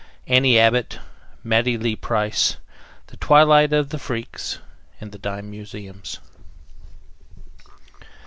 ANNIE ABBOTT; MATTIE LEE PRICE. THE TWILIGHT OF THE FREAKS. THE DIME MUSEUMS.